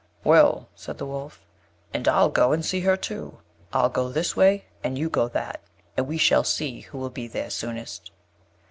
"Well," said the Wolf, "and I'll go and see her too: I'll go this way, and you go that, and we shall see who will be there soonest."